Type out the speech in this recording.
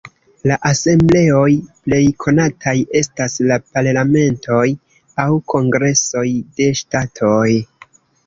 La asembleoj plej konataj estas la parlamentoj aŭ kongresoj de ŝtatoj.